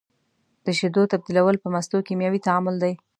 د شیدو تبدیلیدل په مستو کیمیاوي تعامل دی.